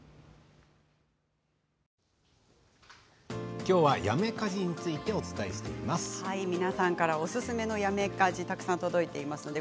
きょうはやめ家事についておすすめのやめ家事がたくさん届いています。